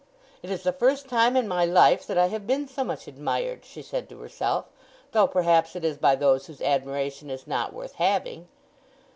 "It is the first time in my life that I have been so much admired," she said to herself; "though perhaps it is by those whose admiration is not worth having."